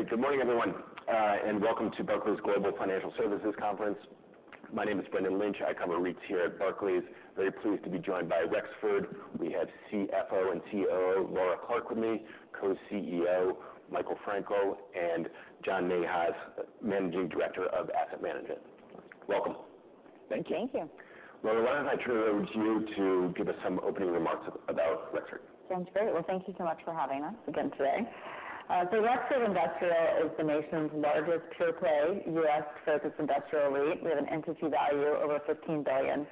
Great. Good morning, everyone, and welcome to Barclays Global Financial Services Conference. My name is Brendan Lynch. I cover REITs here at Barclays. Very pleased to be joined by Rexford. We have CFO and COO, Laura Clark with me, Co-CEO, Michael Frankel, and John Nahas, Managing Director of Asset Management. Welcome. Thank you. Thank you. Laura, why don't I turn it over to you to give us some opening remarks about Rexford? Sounds great. Well, thank you so much for having us again today. So Rexford Industrial is the nation's largest pure play, U.S.-focused industrial REIT. We have an entity value over $15 billion.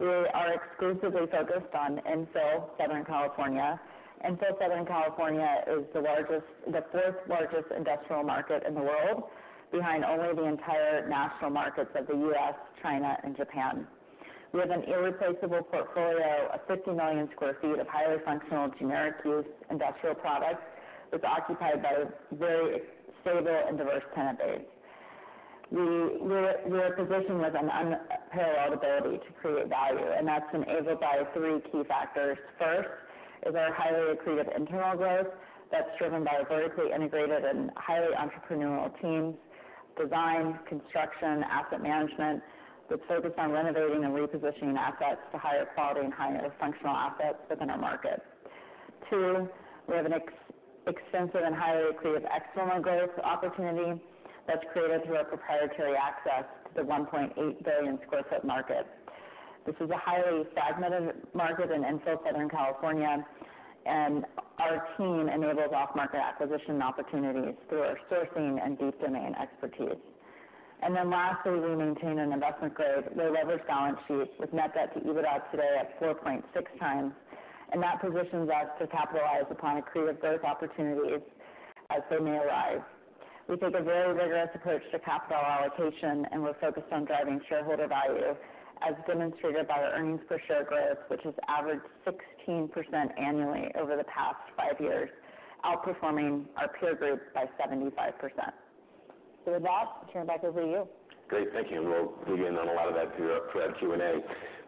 We are exclusively focused on infill Southern California. Infill Southern California is the fourth largest industrial market in the world, behind only the entire national markets of the U.S., China and Japan. We have an irreplaceable portfolio of 50 million sq ft of highly functional, generic-use industrial products, that's occupied by a very stable and diverse tenant base. We are positioned with an unparalleled ability to create value, and that's enabled by three key factors. First is our highly accretive internal growth that's driven by a vertically integrated and highly entrepreneurial team, design, construction, asset management, that's focused on renovating and repositioning assets to higher quality and higher functional assets within our market. Two, we have an extensive and highly accretive external growth opportunity that's created through our proprietary access to the 1.8 billion sq ft market. This is a highly-fragmented market in infill Southern California, and our team enables off-market acquisition opportunities through our sourcing and deep domain expertise. And then lastly, we maintain an investment grade, low-leveraged balance sheet, with net debt-to-EBITDA today at 4.6x, and that positions us to capitalize upon accretive growth opportunities as they may arise. We take a very rigorous approach to capital allocation, and we're focused on driving shareholder value, as demonstrated by our earnings per share growth, which has averaged 16% annually over the past five years, outperforming our peer group by 75%. So with that, I turn it back over to you. Great. Thank you. And we'll dig in on a lot of that through our Q&A.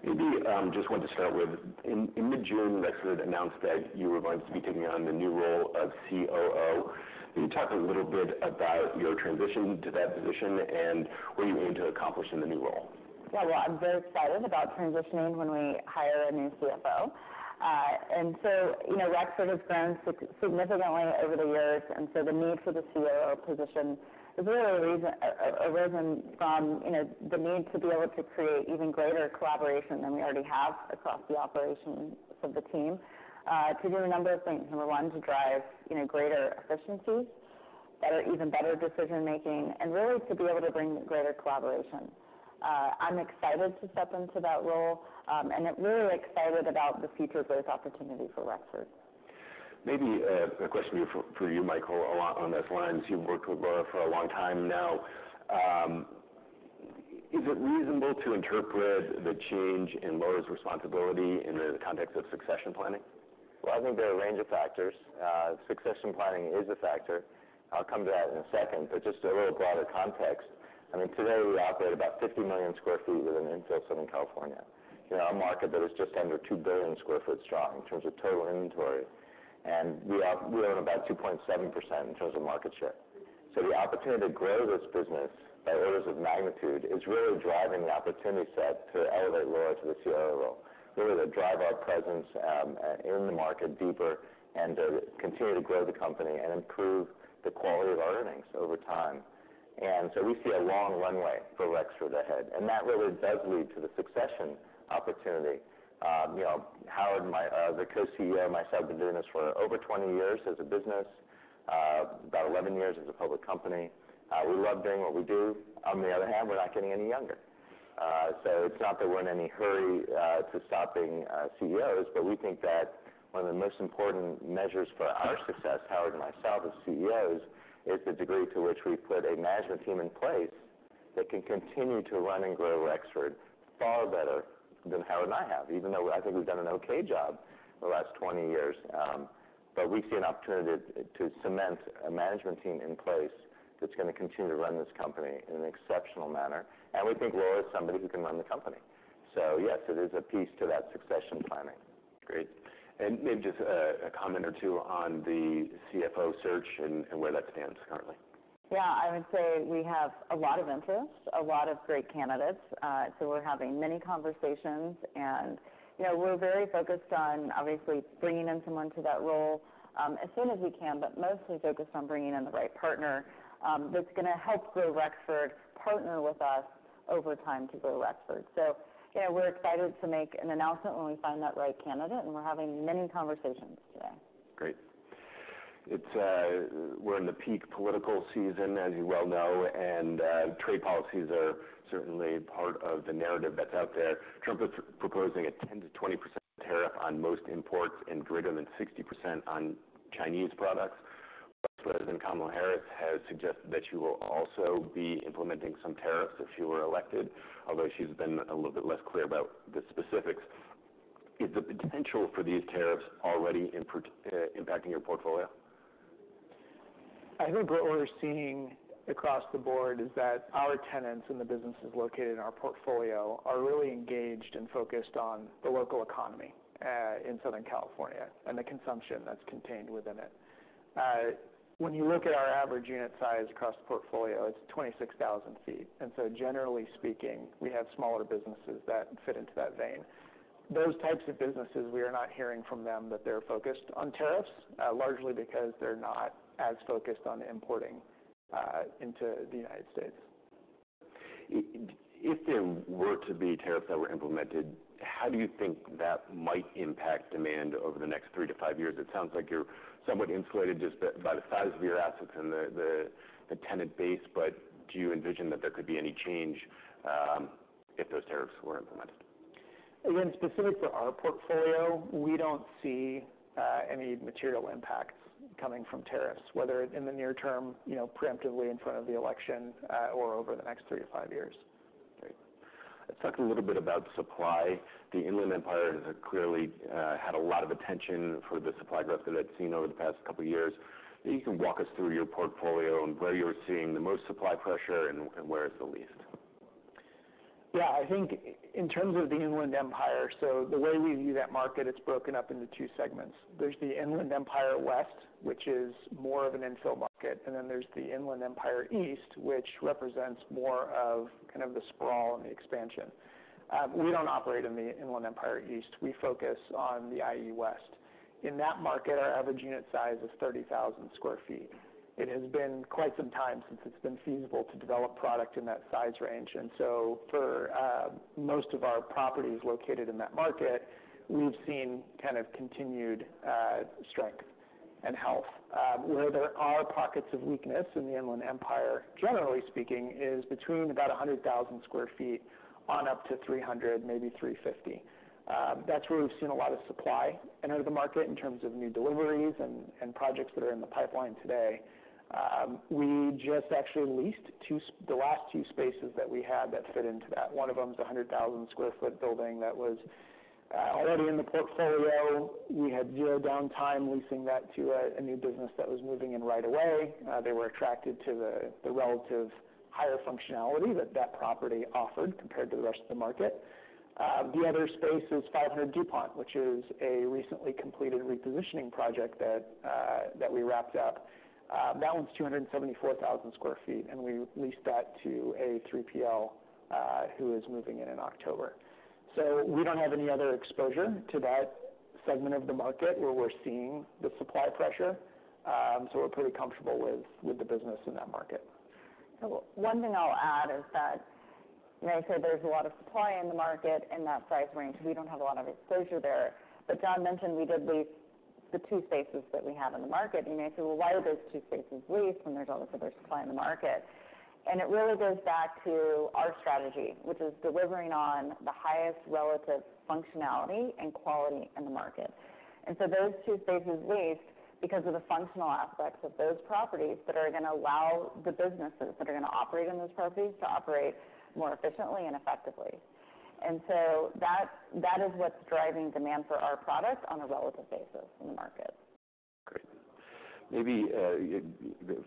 Maybe just want to start with in mid-June, Rexford announced that you were going to be taking on the new role of COO. Can you talk a little bit about your transition to that position and what you aim to accomplish in the new role? Yeah. Well, I'm very excited about transitioning when we hire a new CFO. And so, you know, Rexford has grown significantly over the years, and so the need for the COO position has really arisen from, you know, the need to be able to create even greater collaboration than we already have across the operations of the team to do a number of things. Number one, to drive, you know, greater efficiencies, better, even better decision making, and really to be able to bring greater collaboration. I'm excited to step into that role, and really excited about the future growth opportunity for Rexford. Maybe a question for you, Michael, along those lines. You've worked with Laura for a long time now. Is it reasonable to interpret the change in Laura's responsibility in the context of succession planning? I think there are a range of factors. Succession planning is a factor. I'll come to that in a second, but just a little broader context. I mean, today, we operate about 50 million sq ft within infill Southern California. In a market that is just under 2 billion sq ft strong in terms of total inventory, and we own about 2.7% in terms of market share. So the opportunity to grow this business by orders of magnitude is really driving the opportunity set to elevate Laura to the COO role, really to drive our presence in the market deeper and to continue to grow the company and improve the quality of our earnings over time. And so we see a long runway for Rexford ahead, and that really does lead to the succession opportunity. You know, Howard, my, the co-CEO and myself, have been doing this for over 20 years as a business, about eleven years as a public company. We love doing what we do. On the other hand, we're not getting any younger. So it's not that we're in any hurry to stop being CEOs, but we think that one of the most important measures for our success, Howard and myself as CEOs, is the degree to which we've put a management team in place that can continue to run and grow Rexford far better than Howard and I have. Even though I think we've done an okay job the last 20 years, but we see an opportunity to cement a management team in place that's going to continue to run this company in an exceptional manner. And we think Laura is somebody who can run the company. So yes, it is a piece to that succession planning. Great. And maybe just a comment or two on the CFO search and where that stands currently. Yeah, I would say we have a lot of interest, a lot of great candidates. So we're having many conversations and, you know, we're very focused on obviously bringing in someone to that role, as soon as we can, but mostly focused on bringing in the right partner, that's gonna help grow Rexford, partner with us over time to grow Rexford. So yeah, we're excited to make an announcement when we find that right candidate, and we're having many conversations today. Great. It's, we're in the peak political season, as you well know, and, trade policies are certainly part of the narrative that's out there. Trump is proposing a 10%-20% tariff on most imports and greater than 60% on Chinese products. Vice President Kamala Harris has suggested that she will also be implementing some tariffs if she were elected, although she's been a little bit less clear about the specifics. Is the potential for these tariffs already impacting your portfolio? I think what we're seeing across the board is that our tenants in the businesses located in our portfolio are really engaged and focused on the local economy, in Southern California and the consumption that's contained within it. When you look at our average unit size across the portfolio, it's 26,000 sq ft, and so generally speaking, we have smaller businesses that fit into that vein. Those types of businesses, we are not hearing from them that they're focused on tariffs, largely because they're not as focused on importing into the United States. If there were to be tariffs that were implemented, how do you think that might impact demand over the next three to five years? It sounds like you're somewhat insulated, just by the size of your assets and the tenant base, but do you envision that there could be any change, if those tariffs were implemented? Again, specific to our portfolio, we don't see any material impacts coming from tariffs, whether it in the near term, you know, preemptively in front of the election, or over the next three to five years. Great. Let's talk a little bit about supply. The Inland Empire has clearly had a lot of attention for the supply growth that it's seen over the past couple of years. Maybe you can walk us through your portfolio and where you're seeing the most supply pressure and where it's the least. Yeah, I think in terms of the Inland Empire, so the way we view that market, it's broken up into two segments. There's the Inland Empire West, which is more of an infill market, and then there's the Inland Empire East, which represents more of kind of the sprawl and the expansion. We don't operate in the Inland Empire East. We focus on the IE West. In that market, our average unit size is 30,000 sq ft. It has been quite some time since it's been feasible to develop product in that size range, and so for most of our properties located in that market, we've seen kind of continued strength and health. Where there are pockets of weakness in the Inland Empire, generally speaking, is between about 100,000 sq ft on up to 300, maybe 350. That's where we've seen a lot of supply into the market in terms of new deliveries and projects that are in the pipeline today. We just actually leased two, the last two spaces that we had that fit into that. One of them is a 100,000 sq ft building that was already in the portfolio. We had zero downtime leasing that to a new business that was moving in right away. They were attracted to the relative higher functionality that that property offered compared to the rest of the market. The other space is 500 Dupont, which is a recently completed repositioning project that we wrapped up. That one's 274,000 sq ft, and we leased that to a 3PL who is moving in in October. So we don't have any other exposure to that segment of the market, where we're seeing the supply pressure. So we're pretty comfortable with the business in that market. So one thing I'll add is that, you know, I said there's a lot of supply in the market in that price range. We don't have a lot of exposure there, but John mentioned we did lease the two spaces that we have in the market. You may say, "Well, why are those two spaces leased when there's all this other supply in the market?" And it really goes back to our strategy, which is delivering on the highest relative functionality and quality in the market. And so those two spaces leased because of the functional aspects of those properties that are going to allow the businesses that are going to operate in those properties to operate more efficiently and effectively. And so that is what's driving demand for our product on a relative basis in the market. Great. Maybe,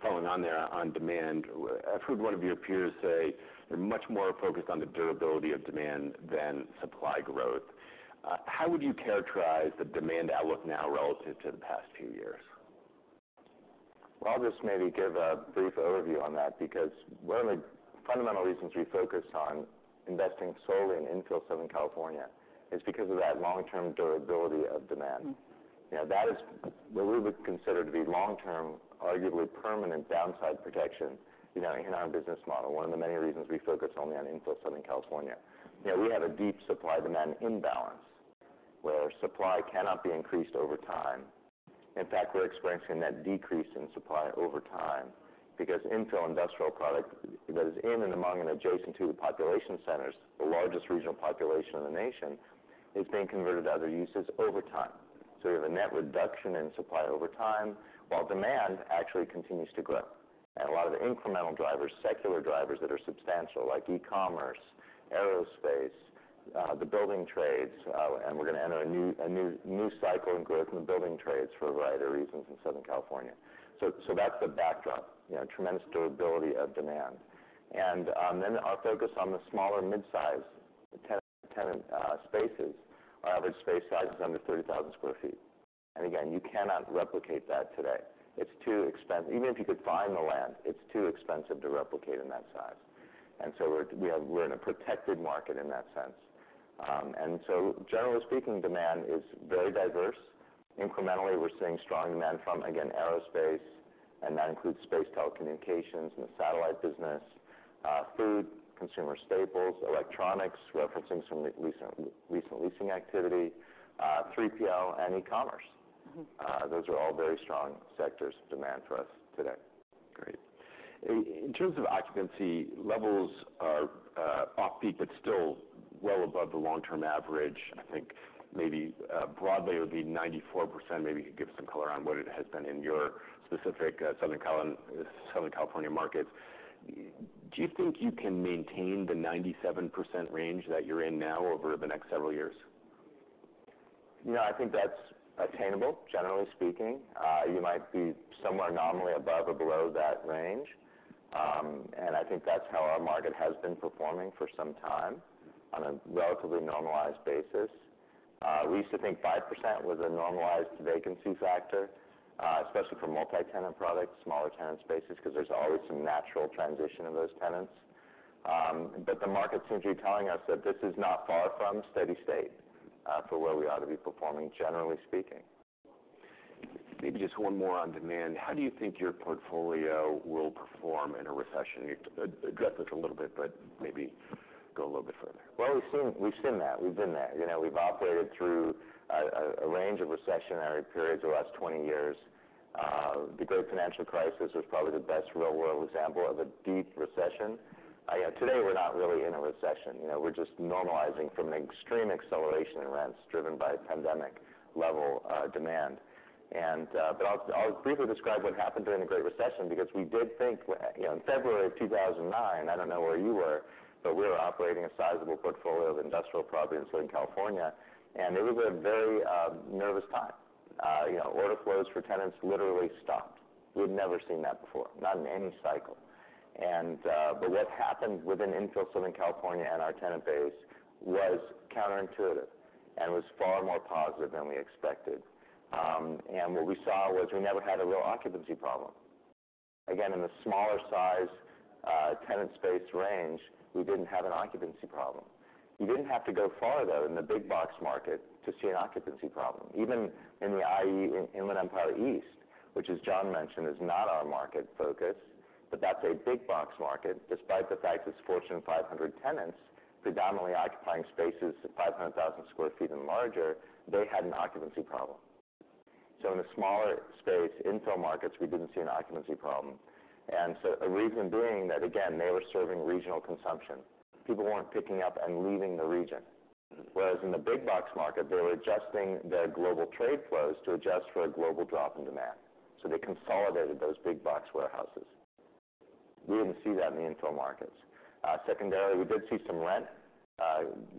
following on there on demand, I've heard one of your peers say they're much more focused on the durability of demand than supply growth. How would you characterize the demand outlook now relative to the past few years? I'll just maybe give a brief overview on that, because one of the fundamental reasons we focus on investing solely in infill Southern California is because of that long-term durability of demand. Mm-hmm. You know, that is what we would consider to be long-term, arguably permanent downside protection, you know, in our business model, one of the many reasons we focus only on infill Southern California. You know, we have a deep supply-demand imbalance, where supply cannot be increased over time. In fact, we're experiencing a net decrease in supply over time, because infill industrial product that is in and among and adjacent to the population centers, the largest regional population in the nation, is being converted to other uses over time. So we have a net reduction in supply over time, while demand actually continues to grow. And a lot of the incremental drivers, secular drivers that are substantial, like e-commerce, aerospace, the building trades. And we're going to enter a new cycle in growth in the building trades for a variety of reasons in Southern California. So that's the backdrop, you know, tremendous durability of demand. And then our focus on the smaller midsize multi-tenant spaces. Our average space size is under 30,000 sq ft. And again, you cannot replicate that today. It's too expensive. Even if you could find the land, it's too expensive to replicate in that size. And so we're in a protected market in that sense. And so generally speaking, demand is very diverse. Incrementally, we're seeing strong demand from, again, aerospace, and that includes space telecommunications and the satellite business, food, consumer staples, electronics, referencing some recent leasing activity, 3PL and e-commerce. Mm-hmm. Those are all very strong sectors of demand for us today. Great. In terms of occupancy levels are off-peak, but still well above the long-term average. I think maybe broadly, it would be 94%. Maybe you could give some color on what it has been in your specific Southern California markets. Do you think you can maintain the 97% range that you're in now over the next several years? You know, I think that's attainable, generally speaking. You might be somewhere nominally above or below that range, and I think that's how our market has been performing for some time, on a relatively normalized basis. We used to think 5% was a normalized vacancy factor, especially for multi-tenant products, smaller tenant spaces, because there's always some natural transition of those tenants, but the market seems to be telling us that this is not far from steady state, for where we ought to be performing, generally speaking. Maybe just one more on demand. How do you think your portfolio will perform in a recession? You've addressed this a little bit, but maybe go a little bit further. We've seen, we've seen that. We've been there. You know, we've operated through a range of recessionary periods over the last 20 years. The great financial crisis was probably the best real-world example of a deep recession. Yeah, today we're not really in a recession, you know, we're just normalizing from an extreme acceleration in rents, driven by pandemic-level demand. But I'll briefly describe what happened during the Great Recession, because we did think, you know, in February of 2009, I don't know where you were, but we were operating a sizable portfolio of industrial property in Southern California, and it was a very nervous time. You know, order flows for tenants literally stopped. We'd never seen that before, not in any cycle. And, but what happened within infill Southern California and our tenant base was counterintuitive and was far more positive than we expected. And what we saw was we never had a low occupancy problem. Again, in the smaller size, tenant space range, we didn't have an occupancy problem. You didn't have to go far, though, in the big-box market to see an occupancy problem. Even in the IE, Inland Empire East, which, as John mentioned, is not our market focus, but that's a big-box market. Despite the fact it's Fortune 500 tenants, predominantly occupying spaces of 500,000 sq ft and larger, they had an occupancy problem. So in the smaller space, infill markets, we didn't see an occupancy problem. And so the reason being that, again, they were serving regional consumption. People weren't picking up and leaving the region. Whereas in the big-box market, they were adjusting their global trade flows to adjust for a global drop in demand, so they consolidated those big box warehouses. We didn't see that in the infill markets. Secondarily, we did see some rent,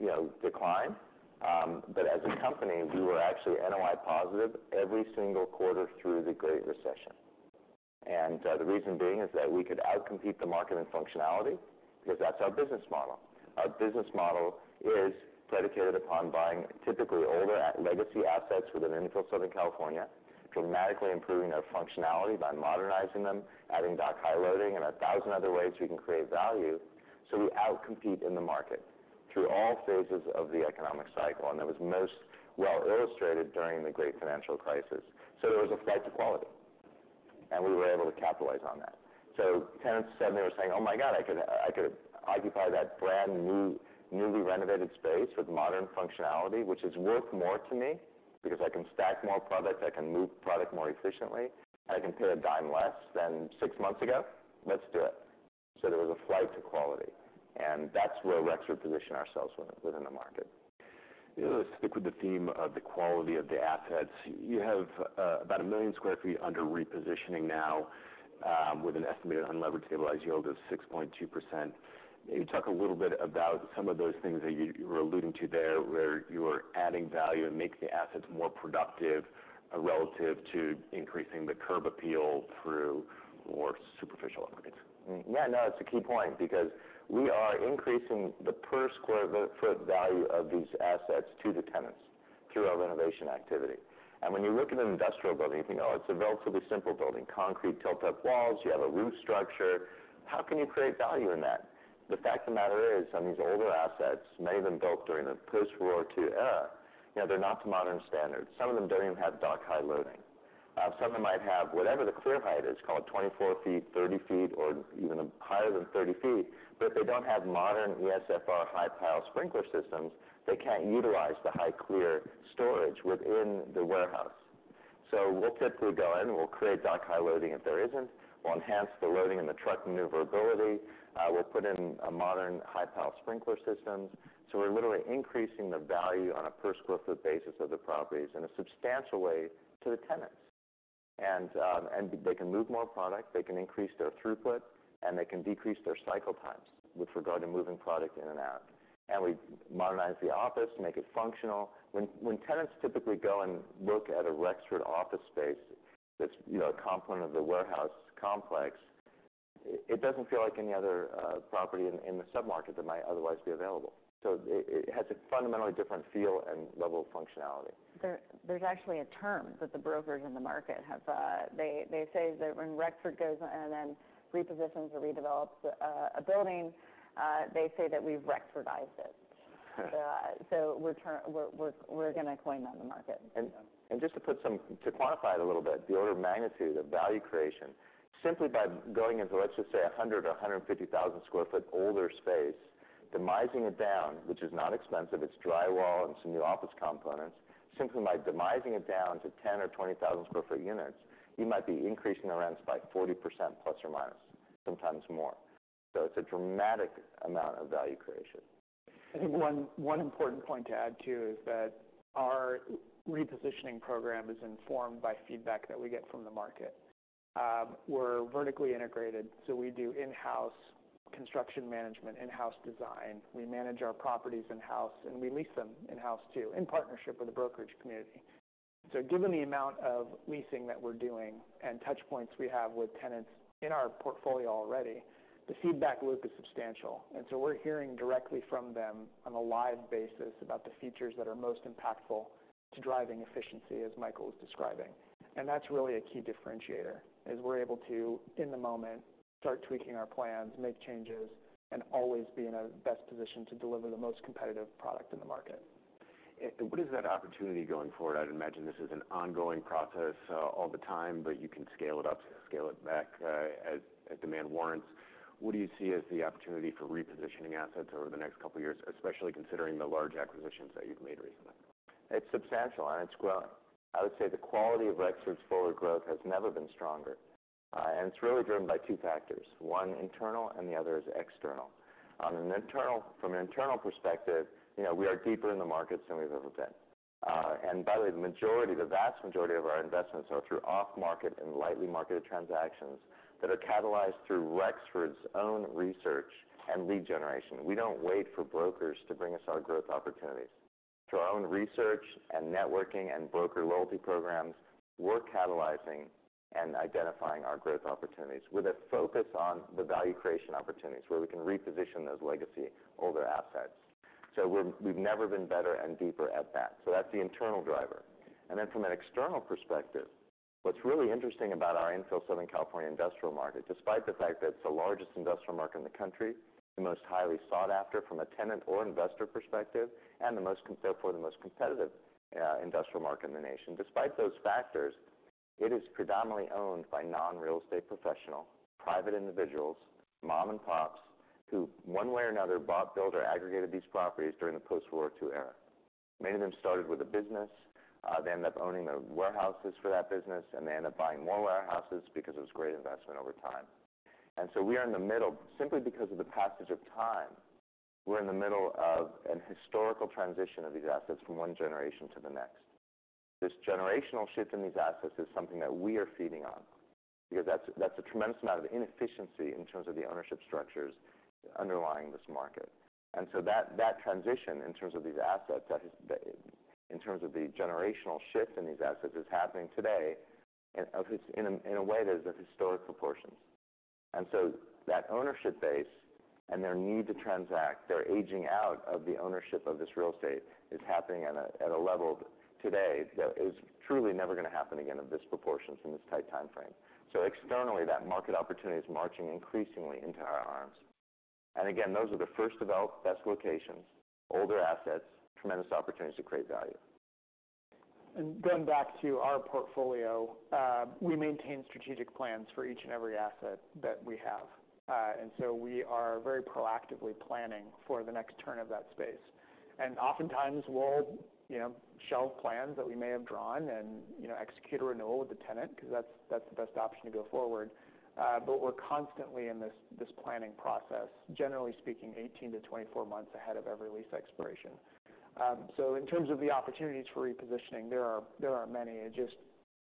you know, decline. But as a company, we were actually NOI positive every single quarter through the Great Recession. And, the reason being is that we could out-compete the market in functionality, because that's our business model. Our business model is predicated upon buying typically older, at legacy assets within infill Southern California, dramatically improving their functionality by modernizing them, adding dock-high loading and a thousand other ways we can create value. So we out-compete in the market through all phases of the economic cycle, and that was most well illustrated during the great financial crisis. So there was a flight to quality, and we were able to capitalize on that. So tenants suddenly were saying, "Oh my God, I could, I could occupy that brand-new, newly renovated space with modern functionality, which is worth more to me, because I can stack more product, I can move product more efficiently, and I can pay a dime less than six months ago? Let's do it." So there was a flight to quality, and that's where Rexford positioned ourselves within the market. Let's stick with the theme of the quality of the assets. You have about 1 million sq ft under repositioning now, with an estimated unlevered stabilized yield of 6.2%. Maybe talk a little bit about some of those things that you were alluding to there, where you are adding value and making the assets more productive, relative to increasing the curb appeal through more superficial upgrades. Yeah, no, it's a key point because we are increasing the per-square-foot value of these assets to the tenants through our renovation activity, and when you look at an industrial building, you know, it's a relatively simple building, concrete tilt-up walls. You have a roof structure. How can you create value in that? The fact of the matter is, some of these older assets, many of them built during the post-War II era, you know, they're not to modern standards. Some of them don't even have dock-high loading. Some of them might have whatever the clear height is called, 24 ft, 30 ft, or even higher than 30 ft, but if they don't have modern ESFR high-pile sprinkler systems, they can't utilize the high clear storage within the warehouse. So we'll typically go in and we'll create dock-high loading if there isn't. We'll enhance the loading and the truck maneuverability. We'll put in a modern high-pile sprinkler systems, so we're literally increasing the value on a per-square-foot basis of the properties in a substantial way to the tenants, and they can move more product, they can increase their throughput, and they can decrease their cycle times with regard to moving product in and out, and we modernize the office, make it functional. When tenants typically go and look at a Rexford office space that's, you know, a component of the warehouse complex, it doesn't feel like any other property in the submarket that might otherwise be available, so it has a fundamentally different feel and level of functionality. There, there's actually a term that the brokers in the market have. They say that when Rexford goes in and then repositions or redevelops a building, they say that we've Rexfordized it. So we're gonna coin that in the market. Just to put some, to quantify it a little bit, the order of magnitude of value creation, simply by going into, let's just say, a 100,000 sq ft or a 150,000 sq ft older space, demising it down, which is not expensive, it's drywall and some new office components. Simply by demising it down to 10,000 sq ft or 20,000 sq ft units, you might be increasing the rents by 40%±, sometimes more. It's a dramatic amount of value creation. I think one important point to add, too, is that our repositioning program is informed by feedback that we get from the market. We're vertically integrated, so we do in-house construction management, in-house design. We manage our properties in-house, and we lease them in-house, too, in partnership with the brokerage community, so given the amount of leasing that we're doing and touch points we have with tenants in our portfolio already, the feedback loop is substantial, and we're hearing directly from them on a live basis about the features that are most impactful to driving efficiency, as Michael was describing, and that's really a key differentiator, is we're able to, in the moment, start tweaking our plans, make changes, and always be in a best position to deliver the most competitive product in the market. What is that opportunity going forward? I'd imagine this is an ongoing process all the time, but you can scale it up, scale it back, as demand warrants. What do you see as the opportunity for repositioning assets over the next couple of years, especially considering the large acquisitions that you've made recently? It's substantial, and I would say the quality of Rexford's forward growth has never been stronger. And it's really driven by two factors, one internal and the other is external. From an internal perspective, you know, we are deeper in the markets than we've ever been. And by the way, the majority, the vast majority of our investments are through off-market and lightly marketed transactions that are catalyzed through Rexford's own research and lead generation. We don't wait for brokers to bring us our growth opportunities. Through our own research and networking and broker loyalty programs, we're catalyzing and identifying our growth opportunities with a focus on the value creation opportunities, where we can reposition those legacy-older assets. So we've never been better and deeper at that. So that's the internal driver. And then from an external perspective, what's really interesting about our infill Southern California industrial market, despite the fact that it's the largest industrial market in the country, the most highly sought after from a tenant or investor perspective, and the most competitive industrial market in the nation. Despite those factors, it is predominantly owned by non-real estate professional, private individuals, mom and pops, who, one way or another, bought, built, or aggregated these properties during the post-War II era. Many of them started with a business. They end up owning the warehouses for that business, and they end up buying more warehouses because it was great investment over time. And so we are in the middle, simply because of the passage of time, we're in the middle of an historical transition of these assets from one generation to the next. This generational shift in these assets is something that we are feeding on, because that's a tremendous amount of inefficiency in terms of the ownership structures underlying this market, and so that transition in terms of these assets, that is, in terms of the generational shift in these assets, is happening today, and of which in a way that is of historic proportions, and so that ownership base and their need to transact, their aging out of the ownership of this real estate, is happening at a level today that is truly never going to happen again in these proportions, in this tight time frame, so externally, that market opportunity is marching increasingly into our arms, and again, those are the first developed, best locations, older assets, tremendous opportunities to create value. And then back to our portfolio, we maintain strategic plans for each and every asset that we have. And so we are very proactively planning for the next turn of that space. And oftentimes, we'll, you know, shelve plans that we may have drawn and, you know, execute a renewal with the tenant, because that's, that's the best option to go forward. But we're constantly in this planning process, generally speaking, eighteen to 20-four months ahead of every lease expiration. So in terms of the opportunities for repositioning, there are many. It's just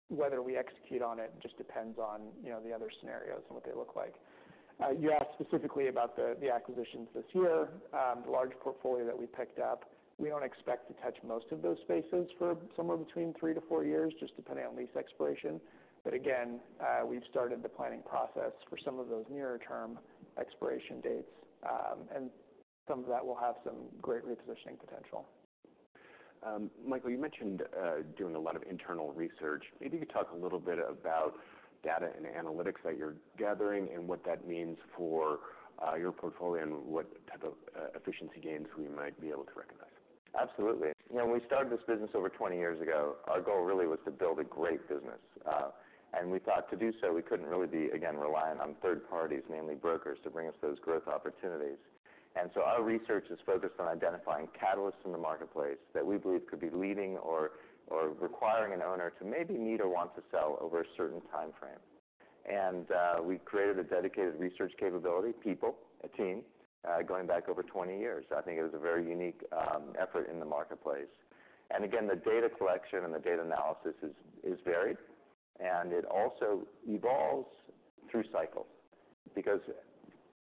whether we execute on it, just depends on, you know, the other scenarios and what they look like. You asked specifically about the acquisitions this year. The large portfolio that we picked up, we don't expect to touch most of those spaces for somewhere between three-to-four years, just depending on lease expiration. But again, we've started the planning process for some of those near-term expiration dates, and some of that will have some great repositioning potential. Michael, you mentioned doing a lot of internal research. Maybe you could talk a little bit about data and analytics that you're gathering, and what that means for your portfolio, and what type of efficiency gains we might be able to recognize. Absolutely. When we started this business over 20 years ago, our goal really was to build a great business. And we thought to do so, we couldn't really be, again, reliant on third parties, mainly brokers, to bring us those growth opportunities. And so our research is focused on identifying catalysts in the marketplace that we believe could be leading or requiring an owner to maybe need or want to sell over a certain time frame. And we've created a dedicated research capability, people, a team, going back over 20 years. I think it was a very unique effort in the marketplace. And again, the data collection and the data analysis is varied, and it also evolves through cycles. Because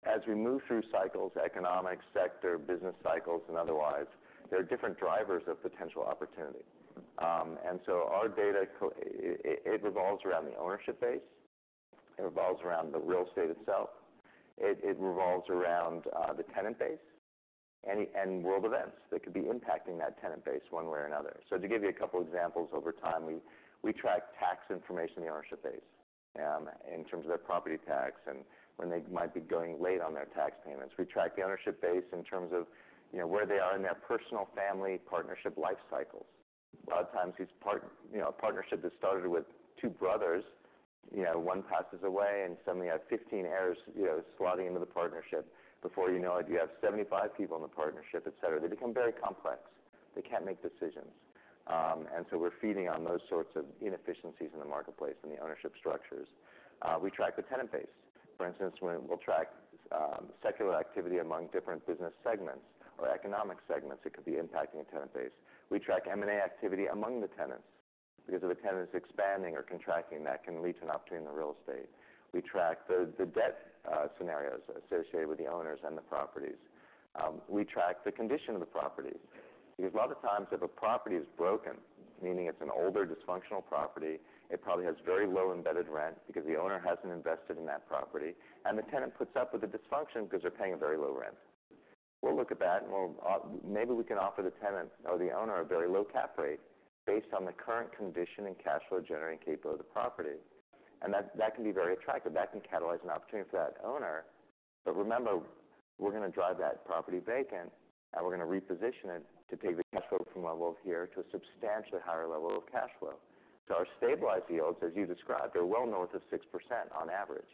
as we move through cycles, economic, sector, business cycles, and otherwise, there are different drivers of potential opportunity. And so our data, it revolves around the ownership base, it revolves around the real estate itself, it revolves around the tenant base and world events that could be impacting that tenant base one way or another. So to give you a couple examples, over time, we track tax information in the ownership base, in terms of their property tax and when they might be going late on their tax payments. We track the ownership base in terms of, you know, where they are in their personal, family, partnership life cycles. A lot of times, these, you know, a partnership that started with two brothers, you know, one passes away, and suddenly you have 15 heirs, you know, slotting into the partnership. Before you know it, you have 75 people in the partnership, etc. They become very complex. They can't make decisions, and so we're feeding on those sorts of inefficiencies in the marketplace and the ownership structures. We track the tenant base. For instance, when we'll track secular activity among different business segments or economic segments, it could be impacting a tenant base. We track M&A activity among the tenants, because if a tenant is expanding or contracting, that can lead to an opportunity in the real estate. We track the debt scenarios associated with the owners and the properties. We track the condition of the properties. Because a lot of times, if a property is broken, meaning it's an older dysfunctional property, it probably has very low embedded rent because the owner hasn't invested in that property, and the tenant puts up with the dysfunction because they're paying a very low rent. We'll look at that, and we'll, maybe we can offer the tenant or the owner a very low cap rate based on the current condition and cash flow-generating capability of the property. And that, that can be very attractive. That can catalyze an opportunity for that owner. But remember, we're going to drive that property vacant, and we're going to reposition it to take the cash flow from level here to a substantially higher level of cash flow. So our stabilized yields, as you described, are well north of 6% on average.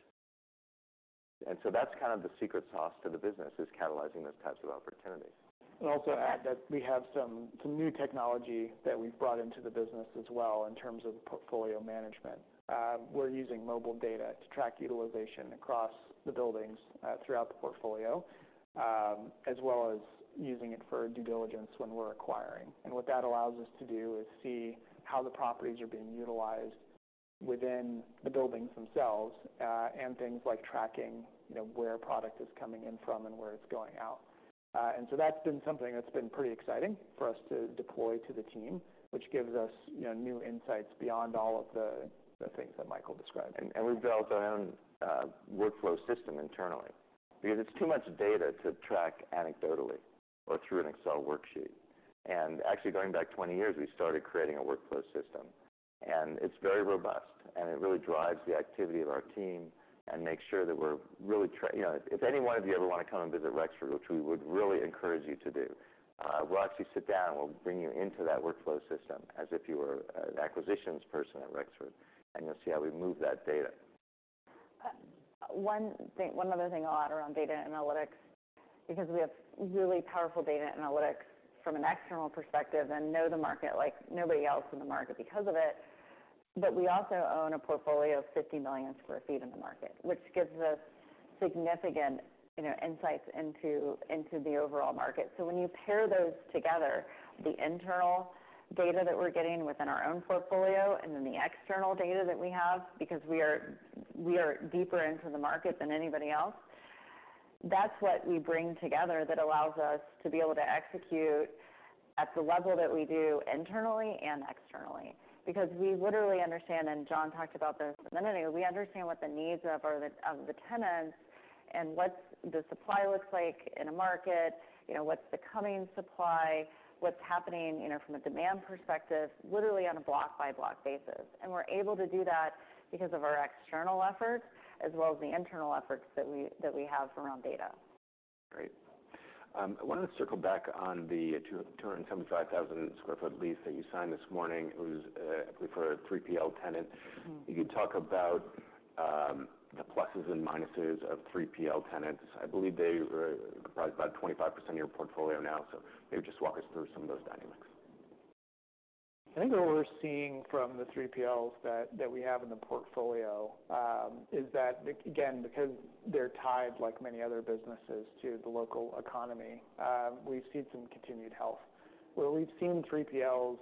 And so that's kind of the secret sauce to the business, is catalyzing those types of opportunities. And also add that we have some new technology that we've brought into the business as well, in terms of portfolio management. We're using mobile data to track utilization across the buildings throughout the portfolio, as well as using it for due diligence when we're acquiring. And what that allows us to do is see how the properties are being utilized within the buildings themselves, and things like tracking, you know, where product is coming in from and where it's going out. And so that's been something that's been pretty exciting for us to deploy to the team, which gives us, you know, new insights beyond all of the things that Michael described. We've built our own workflow system internally, because it's too much data to track anecdotally or through an Excel worksheet. Actually, going back 20 years, we started creating a workflow system, and it's very robust, and it really drives the activity of our team and makes sure that we're really tracking. You know, if any one of you ever want to come and visit Rexford, which we would really encourage you to do, we'll actually sit down, and we'll bring you into that workflow system as if you were an acquisitions person at Rexford, and you'll see how we move that data. One other thing I'll add around data analytics, because we have really powerful data analytics from an external perspective and know the market like nobody else in the market because of it. But we also own a portfolio of 50 million sq ft in the market, which gives us significant, you know, insights into the overall market. So when you pair those together, the internal data that we're getting within our own portfolio and then the external data that we have, because we are deeper into the market than anybody else, that's what we bring together that allows us to be able to execute at the level that we do internally and externally. Because we literally understand, and John talked about this a minute ago, we understand what the needs of our tenants and what the supply looks like in a market, you know, what's the coming supply, what's happening, you know, from a demand perspective, literally on a block-by-block basis. And we're able to do that because of our external efforts as well as the internal efforts that we have around data. Great. I wanted to circle back on the 275,000 sq ft lease that you signed this morning. It was for a 3PL tenant. Mm-hmm. If you'd talk about the pluses and minuses of 3PL tenants? I believe they are probably about 25% of your portfolio now, so maybe just walk us through some of those dynamics. I think what we're seeing from the 3PLs that we have in the portfolio is that, again, because they're tied, like many other businesses, to the local economy, we've seen some continued health. Where we've seen 3PLs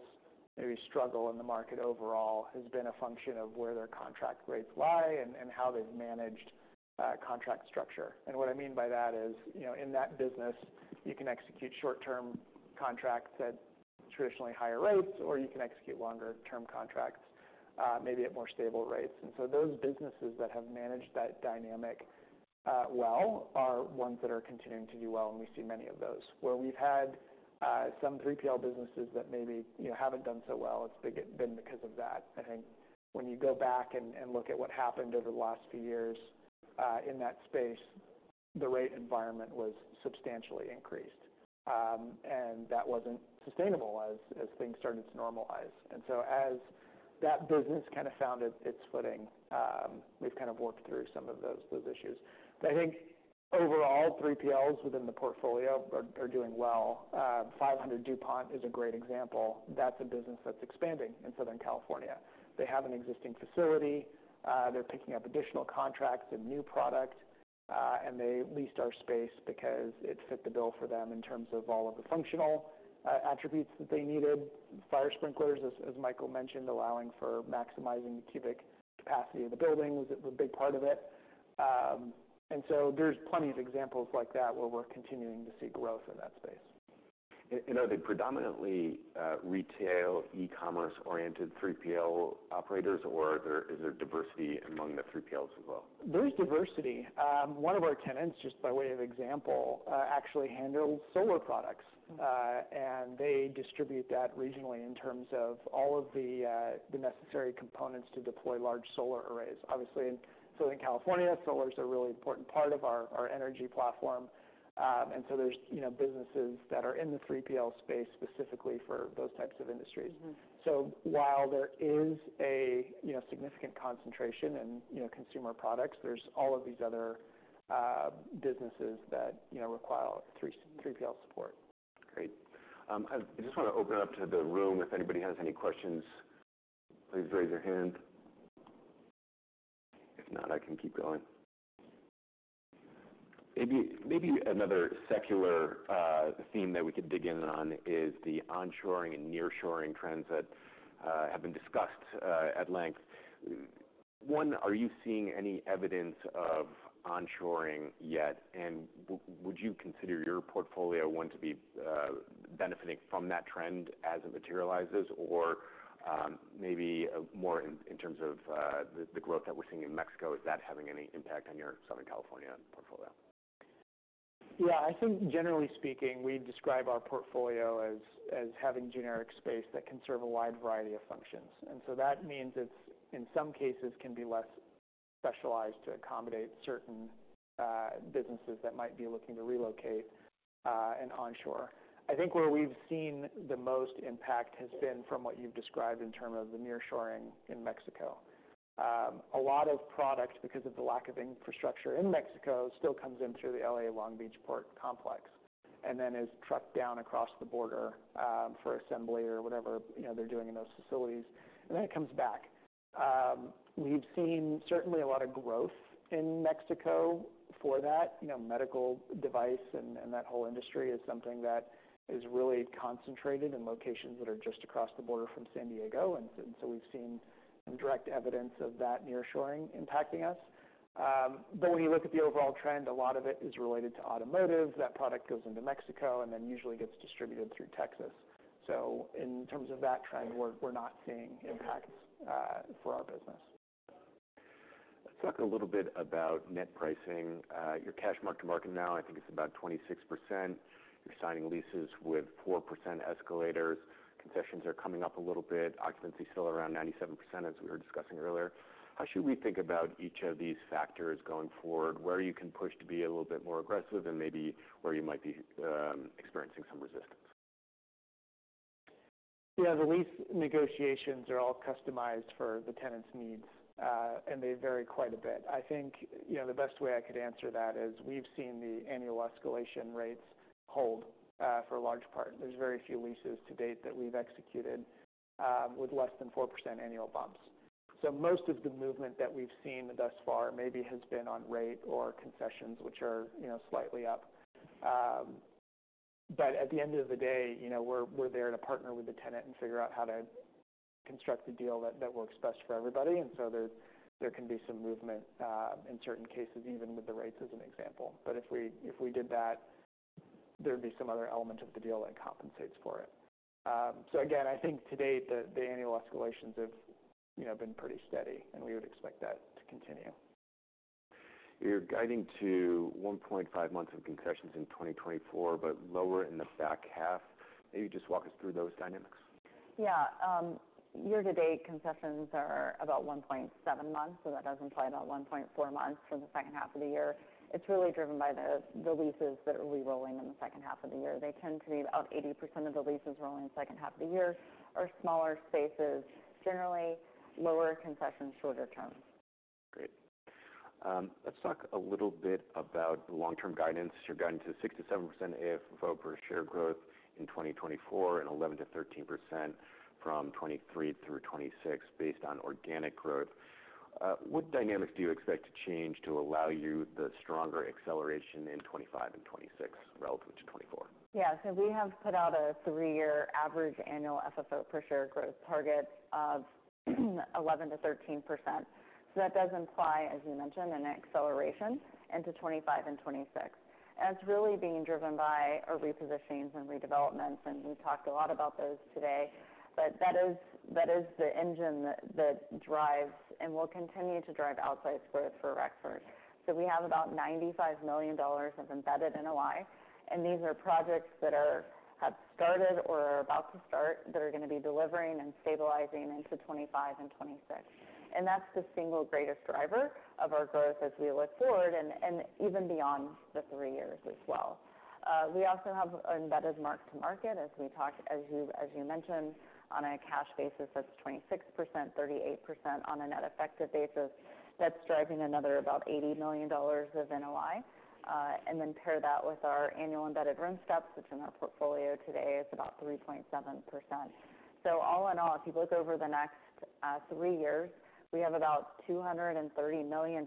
maybe struggle in the market overall, has been a function of where their contract rates lie and how they've managed contract structure. And what I mean by that is, you know, in that business, you can execute short-term contracts at traditionally higher rates, or you can execute longer-term contracts, maybe at more stable rates. And so those businesses that have managed that dynamic well, are ones that are continuing to do well, and we see many of those. Where we've had some 3PL businesses that maybe, you know, haven't done so well, it's been because of that. I think when you go back and look at what happened over the last few years, in that space, the rate environment was substantially increased, and that wasn't sustainable as things started to normalize. And so as that business kind of found its footing, we've kind of worked through some of those issues. But I think overall, 3PLs within the portfolio are doing well. 500 Dupont is a great example. That's a business that's expanding in Southern California. They have an existing facility, they're picking up additional contracts and new product, and they leased our space because it fit the bill for them in terms of all of the functional attributes that they needed. Fire sprinklers, as Michael mentioned, allowing for maximizing the cubic capacity of the building, was a big part of it. And so there's plenty of examples like that, where we're continuing to see growth in that space. And are they predominantly retail, e-commerce-oriented 3PL operators, or is there diversity among the 3PLs as well? There's diversity. One of our tenants, just by way of example, actually handles solar products, and they distribute that regionally in terms of all of the necessary components to deploy large solar arrays. Obviously, in Southern California, solars are a really important part of our energy platform, and so there's, you know, businesses that are in the 3PL space specifically for those types of industries. Mm-hmm. So while there is a, you know, significant concentration in, you know, consumer products, there's all of these other businesses that, you know, require 3PL support. Great. I just want to open it up to the room. If anybody has any questions, please raise your hand. If not, I can keep going. Maybe another secular theme that we could dig in on is the onshoring and nearshoring trends that have been discussed at length. One, are you seeing any evidence of onshoring yet? And would you consider your portfolio one to be benefiting from that trend as it materializes? Or, maybe more in terms of the growth that we're seeing in Mexico, is that having any impact on your Southern California portfolio? Yeah, I think generally speaking, we describe our portfolio as having generic space that can serve a wide variety of functions. And so that means it's, in some cases, can be less specialized to accommodate certain businesses that might be looking to relocate and onshore. I think where we've seen the most impact has been from what you've described in terms of the nearshoring in Mexico. A lot of product, because of the lack of infrastructure in Mexico, still comes in through the LA Long Beach Port Complex, and then is trucked down across the border for assembly or whatever, you know, they're doing in those facilities, and then it comes back. We've seen certainly a lot of growth in Mexico for that. You know, medical device and that whole industry is something that is really concentrated in locations that are just across the border from San Diego. And so we've seen some direct evidence of that nearshoring impacting us. But when you look at the overall trend, a lot of it is related to automotive. That product goes into Mexico, and then usually gets distributed through Texas. So in terms of that trend, we're not seeing impacts for our business. Let's talk a little bit about net pricing. Your cash mark to market now, I think it's about 26%. You're signing leases with 4% escalators. Concessions are coming up a little bit. Occupancy is still around 97%, as we were discussing earlier. How should we think about each of these factors going forward, where you can push to be a little bit more aggressive and maybe where you might be experiencing some resistance? Yeah, the lease negotiations are all customized for the tenant's needs, and they vary quite a bit. I think, you know, the best way I could answer that is we've seen the annual escalation rates hold, for a large part. There's very few leases to date that we've executed, with less than 4% annual bumps. So most of the movement that we've seen thus far, maybe has been on rate or concessions, which are, you know, slightly up. But at the end of the day, you know, we're there to partner with the tenant and figure out how to construct a deal that works best for everybody. And so there can be some movement, in certain cases, even with the rates as an example. But if we did that, there'd be some other element of the deal that compensates for it. So again, I think to date, the annual escalations have, you know, been pretty steady, and we would expect that to continue. You're guiding to one point five months of concessions in 2024, but lower in the back half. Maybe just walk us through those dynamics. Yeah, year-to-date, concessions are about one point seven months, so that does imply about one point four months for the second half of the year. It's really driven by the leases that are rerolling in the second half of the year. They tend to be about 80% of the leases rolling in the second half of the year, are smaller spaces, generally lower concessions, shorter term. Great. Let's talk a little bit about the long-term guidance. You're guiding to 6%-7% AFFO per share growth in 2024, and 11%-13% from 2023 through 2026, based on organic growth. What dynamics do you expect to change to allow you the stronger acceleration in 2025 and 2026, relative to 2024? Yeah. So we have put out a three-year average annual FFO per share growth target of 11%-13%. So that does imply, as you mentioned, an acceleration into 2025 and 2026. And it's really being driven by our repositionings and redevelopments, and we've talked a lot about those today. But that is the engine that drives and will continue to drive organic growth for Rexford. So we have about $95 million of embedded NOI, and these are projects that have started or are about to start, that are gonna be delivering and stabilizing into 2025 and 2026. And that's the single greatest driver of our growth as we look forward, and even beyond the three years as well. We also have an embedded mark to market, as we talked, as you, as you mentioned, on a cash basis, that's 26%, 38% on a net-effective basis. That's driving another about $80 million of NOI. And then pair that with our annual embedded rent steps, which in our portfolio today is about 3.7%. So all in all, if you look over the next three years, we have about $230 million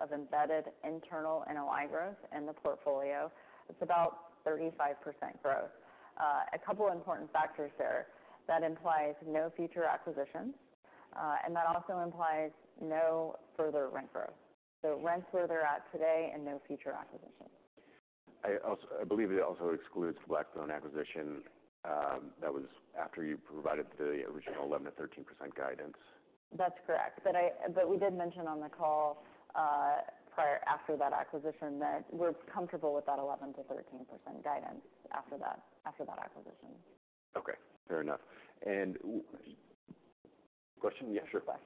of embedded internal NOI growth in the portfolio. It's about 35% growth. A couple of important factors there. That implies no future acquisitions, and that also implies no further rent growth. So rents where they're at today and no future acquisitions. I believe it also excludes the Blackstone acquisition, that was after you provided the original 11%-13% guidance? That's correct. But we did mention on the call, after that acquisition, that we're comfortable with that 11%-13% guidance after that, after that acquisition. Okay, fair enough. And, question? Yeah, sure. Go ahead.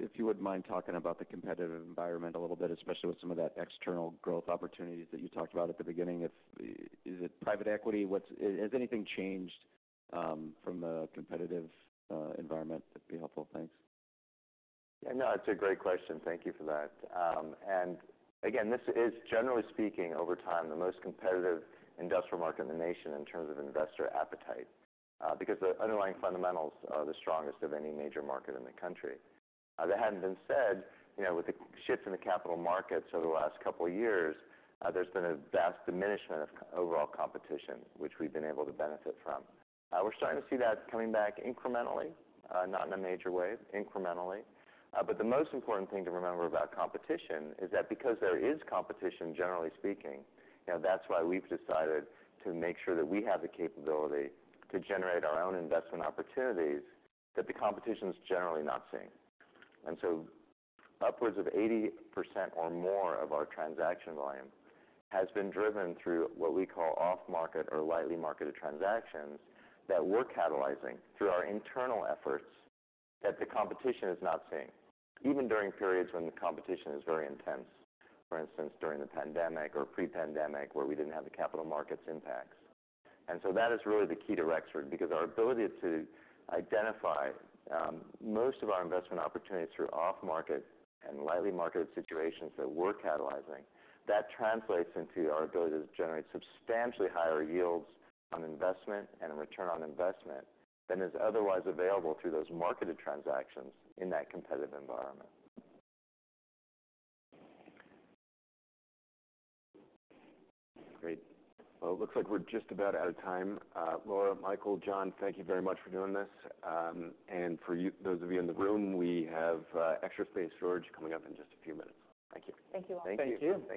If you wouldn't mind talking about the competitive environment a little bit, especially with some of that external growth opportunities that you talked about at the beginning. Is it private equity? Has anything changed from a competitive environment? That'd be helpful. Thanks. No, it's a great question. Thank you for that. And again, this is, generally speaking, over time, the most competitive industrial market in the nation in terms of investor appetite, because the underlying fundamentals are the strongest of any major market in the country. That hadn't been said, you know, with the shifts in the capital markets over the last couple of years, there's been a vast diminishment of overall competition, which we've been able to benefit from. We're starting to see that coming back incrementally, not in a major way, incrementally. But the most important thing to remember about competition is that because there is competition, generally speaking, you know, that's why we've decided to make sure that we have the capability to generate our own investment opportunities that the competition is generally not seeing. And so upwards of 80% or more of our transaction volume has been driven through what we call off-market or lightly marketed transactions, that we're catalyzing through our internal efforts that the competition is not seeing, even during periods when the competition is very intense, for instance, during the pandemic or pre-pandemic, where we didn't have the capital markets impacts. And so that is really the key to Rexford, because our ability to identify, most of our investment opportunities through off-market and lightly marketed situations that we're catalyzing, that translates into our ability to generate substantially higher yields on investment and return on investment than is otherwise available through those marketed transactions in that competitive environment. Great. Well, it looks like we're just about out of time. Laura, Michael, John, thank you very much for doing this. And for you, those of you in the room, we have Extra Space Storage coming up in just a few minutes. Thank you. Thank you, all. Thank you.